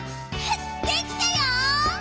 できたよ！」